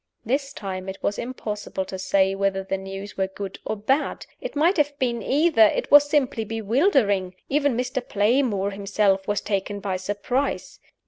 This time it was impossible to say whether the news were good or bad. It might have been either it was simply bewildering. Even Mr. Playmore himself was taken by surprise.